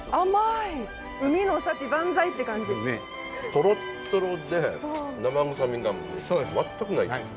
とろっとろで生臭みが全くないです。